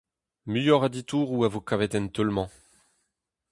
Muioc'h a ditouroù a vo kavet en teul-mañ.